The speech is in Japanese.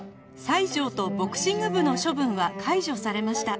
西条とボクシング部の処分は解除されました